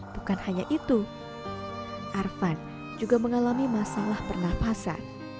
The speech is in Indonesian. bukan hanya itu arvan juga mengalami masalah pernafasan